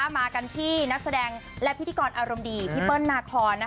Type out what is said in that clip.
มากันที่นักแสดงและพิธีกรอารมณ์ดีพี่เปิ้ลนาคอน